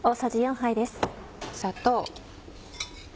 砂糖。